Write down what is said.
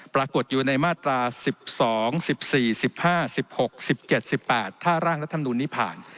ปรากฏอยู่ในมาตรา๑๒๑๔๑๕๑๖๑๗๑๘ถ้าร่างรัฐมนุนนี้ผ่าน